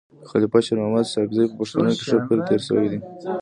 خلیفه شیرمحمد ساکزی په پښتنو کي ښه پير تير سوی دی.